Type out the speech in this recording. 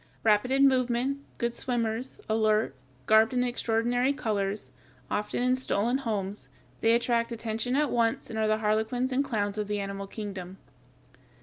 Rapid in movement, good swimmers, alert, garbed in extraordinary colors, often in stolen homes, they attract attention at once and are the harlequins and clowns of the animal kingdom.